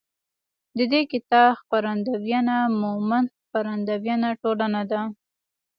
د دې کتاب خپرندویه مومند خپروندویه ټولنه ده.